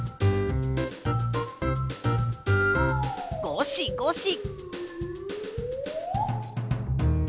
ごしごし。